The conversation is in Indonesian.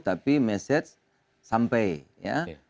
tapi mesej sampai ya